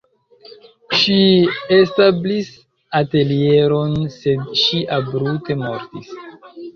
Ŝi establis atelieron, sed ŝi abrupte mortis.